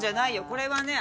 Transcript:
これはね